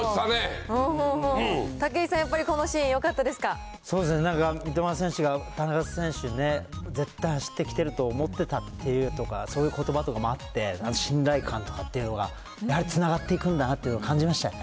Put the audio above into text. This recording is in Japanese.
武井さん、そうですね、なんか三笘選手が田中選手にね、絶対走ってきてると思ってたって言うとか、そういうことばとかもあって、信頼感とかっていうのが、やはりつながっていくんだなというのを感じましたよね。